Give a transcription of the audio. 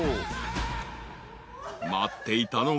［待っていたのが］